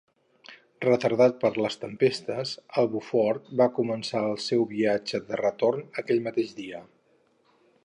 Retardat per les tempestes, el "Buford" va començar el seu viatge de retorn aquell mateix dia.